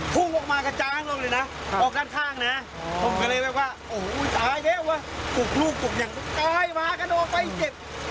ปุ๊บตกอย่างตุ๊กตายหมากระโดไฟเจ็บ